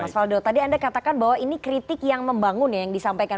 mas faldo tadi anda katakan bahwa ini kritik yang membangun ya yang disampaikan